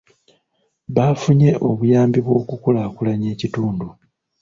Baafunye obuyambi bw'okukulaakulanya ekitundu.